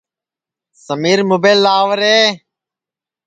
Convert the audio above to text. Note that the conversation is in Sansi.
سمیر مُبیل لاو رے